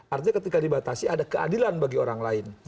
artinya ketika dibatasi ada keadilan bagi orang lain